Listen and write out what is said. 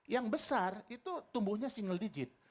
yang besar itu tumbuhnya single digit